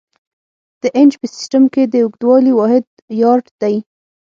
د انچ په سیسټم کې د اوږدوالي واحد یارډ دی.